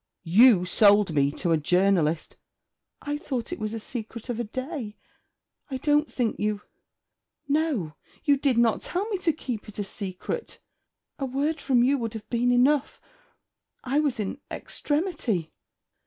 'You sold me to a journalist!' 'I thought it was a secret of a day. I don't think you no, you did not tell me to keep it secret. A word from you would have been enough. I was in extremity.'